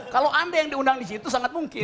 kalau anda yang diundang di situ sangat mungkin